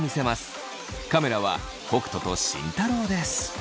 カメラは北斗と慎太郎です。